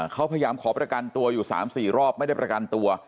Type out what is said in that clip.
เขาพยายามขอประกันตัวอยู่๓๔รอบไม่ได้ประกันตัว